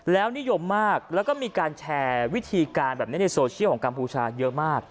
แล้วนิยมมากแล้วก็มีการแชร์วิธีการแบบนี้ในโซเชียลของกัมพูชาเยอะมาก